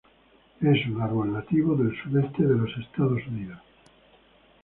Es una árbol nativo del sudeste de los Estados Unidos.